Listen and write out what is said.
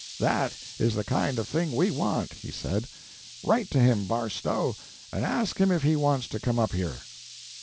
"That is the kind of thing we want," he said. "Write to him, Barstow, and ask him if he wants to come up here."